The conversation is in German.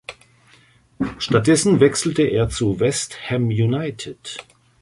Stattdessen wechselte er zu West Ham United.